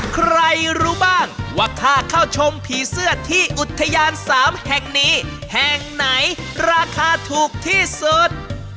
ใครรู้บ้างว่าค่าเข้าชมผีเสื้อที่อุทยาน๓แห่งนี้แห่งไหนราคาถูกที่สุด